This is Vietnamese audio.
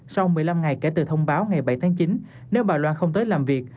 sau một mươi năm ngày kể từ thông báo ngày bảy tháng chín nếu bà loan không tới làm việc